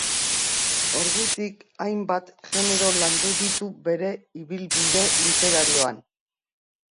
Ordutik, hainbat genero landu ditu bere ibilbide literarioan.